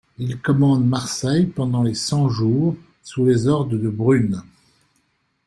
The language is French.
Il commande Marseille pendant les Cent-Jours sous les ordres de Brune.